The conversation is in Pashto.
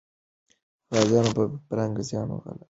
غازیان به پر انګریزانو غالب سوي وي.